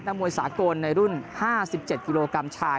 มวยสากลในรุ่น๕๗กิโลกรัมชาย